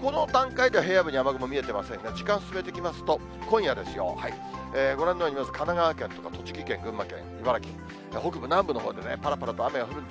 この段階では平野部には雨雲見えてませんが、時間進めていきますと、今夜ですよ、ご覧のように神奈川県とか、栃木県、群馬県、茨城、北部、南部のほうで、ぱらぱらと雨が降るんです。